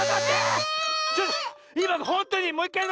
ちょっといまのほんとにもういっかい！